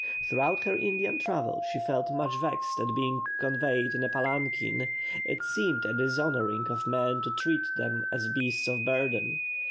Throughout her Indian travel she felt much vexed at being conveyed in a palanquin; it seemed a dishonouring of men to treat them as beasts of burden.